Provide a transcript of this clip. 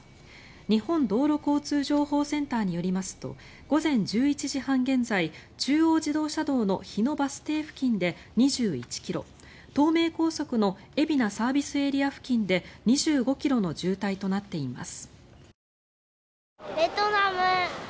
日本道路交通情報センターによりますと、午前１１時半現在中央自動車道の日野バス停付近で２１ｋｍ東名高速の海老名ＳＡ付近で２５ｋｍの渋滞となっています。